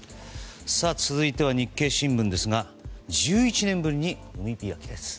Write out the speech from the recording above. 続いては日経新聞ですが１１年ぶりに海開きです。